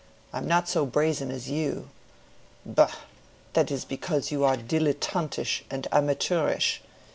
I am not so brazen as you." "Bah! that is because you are dilettantish and amateurish.